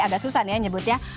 agak susah nih ya nyebutnya